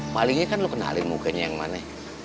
palingnya kan lu kenalin mukanya yang mana